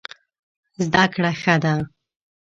زده کړه ښه ده.